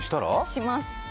します。